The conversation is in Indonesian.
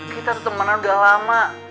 kita temenan udah lama